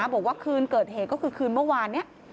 บอกว่าคืนเกิดเหตุก็คือคืนเมื่อวานนี้